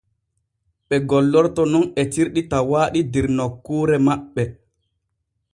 Ɓe gollorto nun etirɗi tawaaɗi der nokkuure maɓɓe.